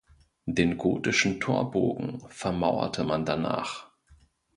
Den gotischen Torbogen vermauerte man danach.